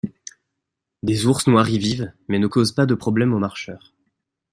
Des ours noirs y vivent mais ne causent pas de problèmes aux marcheurs.